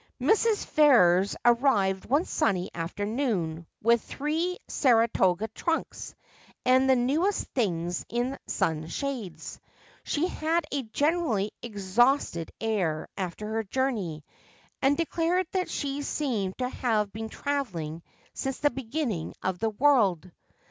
Mrs. Ferrers arrived one sunny afternoon, with three Sara toga trunks, and the newest things in sunshades. She had a generally exhausted air after her journey, and declared that she seemed to have been travelling since the beginning of the world.